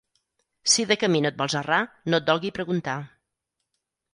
Si de camí no et vols errar no et dolgui preguntar.